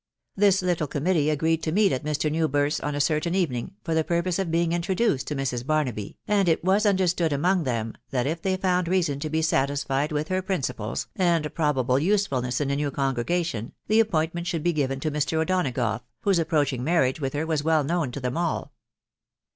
This little committee agreed to meet at'Mr. Newbirth's on a certain evening, for the propose of being introduced to Mrs. Baraaby, and it was un derload among them, that if they found reason to be satisfied with her principles, and probable usefulness in a new congre •gatieti, tine appointment should be given to Mr. O'Donagough, •whose approaching marriage with her was well known to them all.